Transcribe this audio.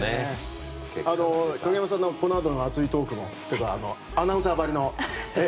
影山さんのこのあとの熱いトークもアナウンサーばりの。